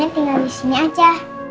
tinggal disini aja